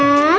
mau dong ya